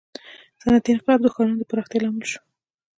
• صنعتي انقلاب د ښارونو د پراختیا لامل شو.